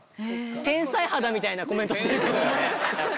天才肌みたいなコメントしてるけどね。